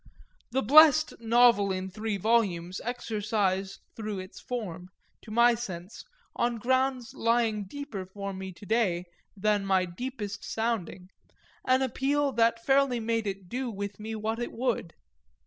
The blest novel in three volumes exercised through its form, to my sense, on grounds lying deeper for me to day than my deepest sounding, an appeal that fairly made it do with me what it would.